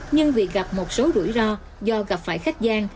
nhưng vì gặp một số rủi ro do gặp phải khách gian